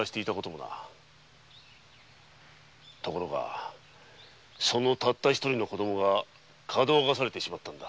ところがそのたった一人の子供がかどわかされてしまったのだ。